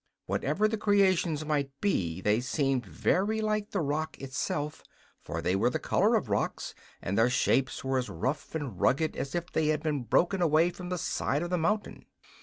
Whatever the creations might be they seemed very like the rock itself, for they were the color of rocks and their shapes were as rough and rugged as if they had been broken away from the side of the mountain.